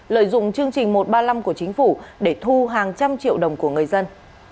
lợi dụng chương trình một trăm ba mươi năm của chính phủ để thu hàng trăm triệu đồng của người dân